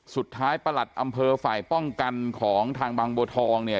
ประหลัดอำเภอฝ่ายป้องกันของทางบางบัวทองเนี่ย